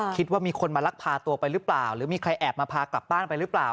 คิดว่ามีคนมาลักพาตัวไปหรือเปล่าหรือมีใครแอบมาพากลับบ้านไปหรือเปล่า